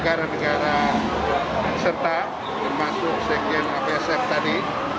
negara negara serta termasuk sekian absf tadi